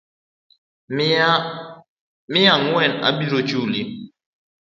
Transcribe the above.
Miye mia angwen abiro chuli